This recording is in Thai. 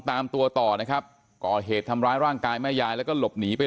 ตามตัวต่อนะครับก่อเหตุทำร้ายร่างกายแม่ยายแล้วก็หลบหนีไป